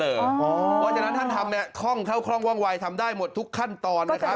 เพราะฉะนั้นท่านทำเนี่ยท่องเข้าคล่องว่องวายทำได้หมดทุกขั้นตอนนะครับ